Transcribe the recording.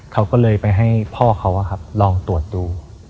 เขาก็เลยไปให้พ่อเขาลองตรวจดู